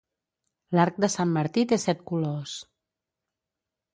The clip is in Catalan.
L'arc de Sant Martí té set colors.